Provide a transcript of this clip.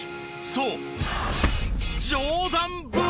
そう！